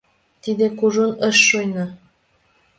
Тиде кужун ыш шуйно.